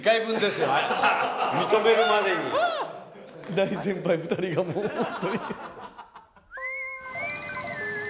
大先輩２人がもうホントに。